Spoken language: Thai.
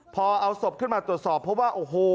พอเอาศพขึ้นมาตรวจสอบเพราะว่าโอ้โห